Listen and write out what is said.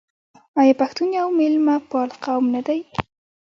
آیا پښتون یو میلمه پال قوم نه دی؟